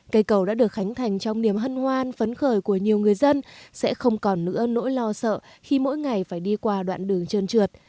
cây cầu đã được khánh thành trong niềm hân hoan phấn khởi của nhiều người dân sẽ không còn nữa nỗi lo sợ khi mỗi ngày phải đi qua đoạn đường trơn trượt